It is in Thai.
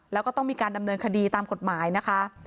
แล้วก็ต้องมีการดำเนินคดีตามกฎหมายนะคะ